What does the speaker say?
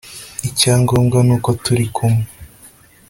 Icyangombwa nuko turi kumwe